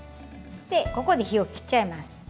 でここで火を切っちゃいます。